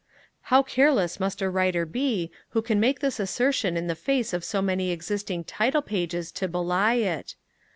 How careless must a writer be who can make this assertion in the face of so many existing title pages to belie it!